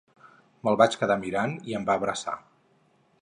Me'l vaig quedar mirant i em va abraçar.